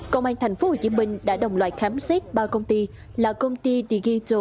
công an tp hcm đã đồng loại khám xét ba công ty là công ty digito